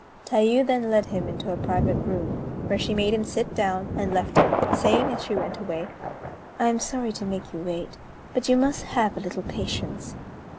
Tayû then led him into a private room, where she made him sit down, and left him, saying, as she went away, "I am sorry to make you wait, but you must have a little patience."